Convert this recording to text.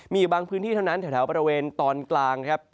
มีบางพื้นที่เท่านั้นแถวบริเวณตอนกลางครับ